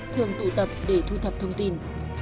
thường tụ tập để thu thập thông tin